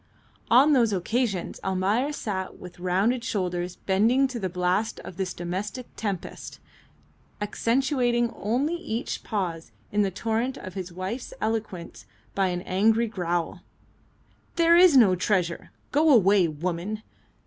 On those occasions Almayer sat with rounded shoulders bending to the blast of this domestic tempest, accentuating only each pause in the torrent of his wife's eloquence by an angry growl, "There is no treasure! Go away, woman!"